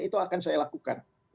itu akan saya lakukan